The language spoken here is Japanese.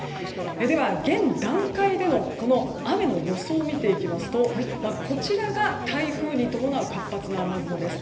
では現段階での雨の予想を見ていきますとこちらが台風に伴う活発な雨雲です。